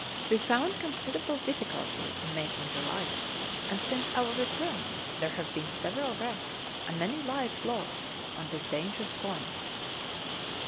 [Footnote 21: We found considerable difficulty in making the light, and since our return there have been several wrecks, and many lives lost, on this dangerous point.